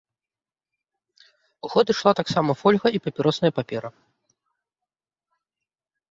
У ход ішла таксама фольга і папіросная папера.